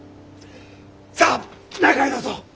さあ中へどうぞ！